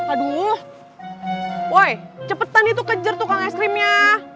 aduh why cepetan itu kejar tukang es krimnya